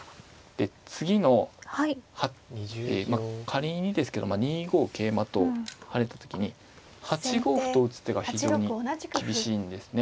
で次のまあ仮にですけど２五桂馬と跳ねた時に８五歩と打つ手が非常に厳しいんですね。